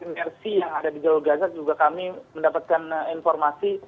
merc yang ada di jalur gaza juga kami mendapatkan informasi